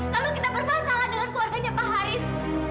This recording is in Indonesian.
lalu kita berpasangan dengan keluarganya pak haris